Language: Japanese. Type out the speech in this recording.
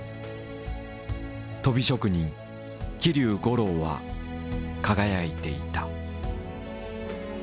鳶職人桐生五郎は輝いていた。